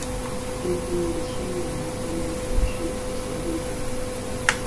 元丰七年为河南府法曹参军。